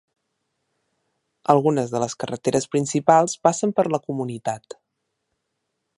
Algunes de les carreteres principals passen per la comunitat.